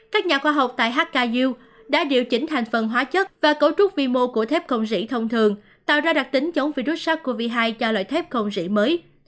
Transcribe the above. các nhà khoa học tại haka yu đã điều chỉnh thành phần hóa chất và cấu trúc vi mô của thép công rỉ thông thường tạo ra đặc tính chống virus sars cov hai cho loại thép không rỉ mới